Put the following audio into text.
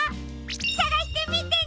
さがしてみてね！